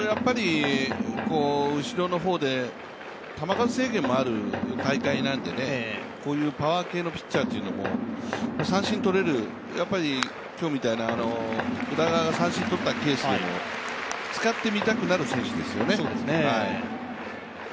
後ろの方で、球数制限もある大会なんで、こういうパワー系のピッチャーというのも三振とれる、今日みたいな宇田川が三振を取ったケースでも使ってみたくなる選手ですよね。